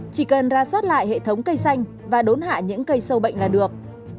chỉ cần ra soát lại hệ thống cây xanh và đốn hạ những cây sâu bệnh là được